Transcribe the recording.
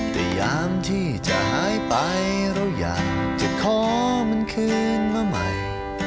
แต่ยามที่จะหายไปเราอยากจะขอมันคืนมาใหม่